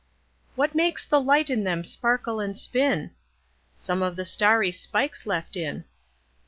What makes the light in them sparkle and spin? Some of the starry spikes left in.